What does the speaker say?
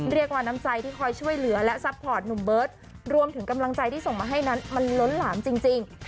น้ำใจที่คอยช่วยเหลือและซัพพอร์ตหนุ่มเบิร์ตรวมถึงกำลังใจที่ส่งมาให้นั้นมันล้นหลามจริง